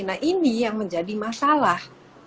nah ini yang menjadi masalah